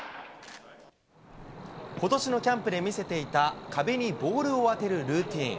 ことしのキャンプで見せていた壁にボールを当てるルーティーン。